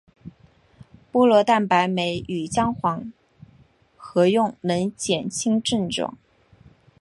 菠萝蛋白酶与姜黄合用能减轻症状。